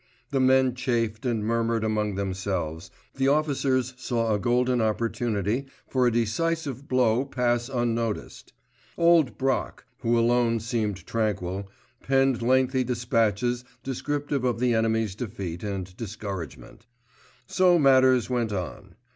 The men chafed and murmured among themselves; the officers saw a golden opportunity for a decisive blow pass unnoticed. "Old Brock," who alone seemed tranquil, penned lengthy dispatches descriptive of the enemy's defeat and discouragement. So matters went on.